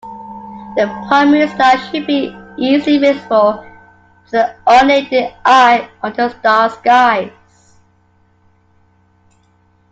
The primary star should be easily visible to the unaided eye under dark skies.